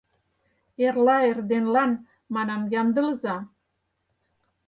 Эрла эрденлан, манам, ямдылыза.